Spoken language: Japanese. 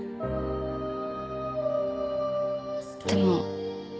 でも。